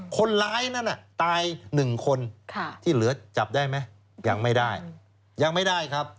คนร้ายนั้นตาย๑คนที่เหลือจับได้ไหมยังไม่ได้ยังไม่ได้ครับ